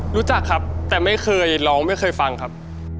รู้จักครับแต่ไม่เคยร้องไม่เคยฟังครับ